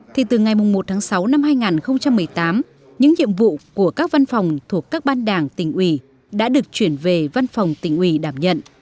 thì từ ngày một tháng sáu năm hai nghìn một mươi tám những nhiệm vụ của các văn phòng thuộc các ban đảng tỉnh ủy đã được chuyển về văn phòng tỉnh ủy đảm nhận